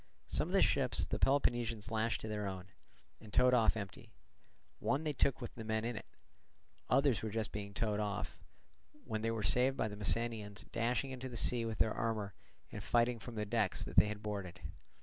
Some of the ships the Peloponnesians lashed to their own, and towed off empty; one they took with the men in it; others were just being towed off, when they were saved by the Messenians dashing into the sea with their armour and fighting from the decks that they had boarded.